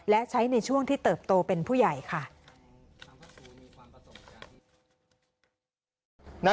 และใช้ในช่วงที่เติบโตเป็นผู้ใหญ่ค่ะ